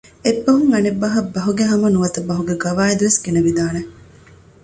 އެއްބަހުން އަނެއް ބަހަށް ބަހުގެހަމަ ނުވަތަ ބަހުގެ ގަވާއިދު ވެސް ގެނެވިދާނެ